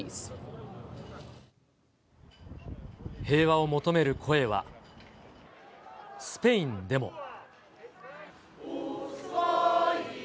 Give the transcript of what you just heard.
平和を求める声は、スペインでも。